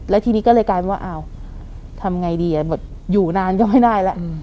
แล้วทีนี้ก็เลยกลายเป็นว่าอ้าวทำไงดีอยู่นานก็ไม่ได้แล้ว